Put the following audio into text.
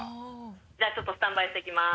じゃあちょっとスタンバイしてきます。